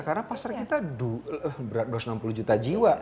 karena pasar kita berat dua ratus enam puluh juta jiwa